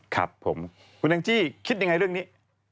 ครับผมคุณแองจี้คิดยังไงเรื่องนี้